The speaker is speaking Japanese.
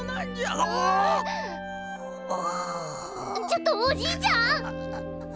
ちょっとおじいちゃん！？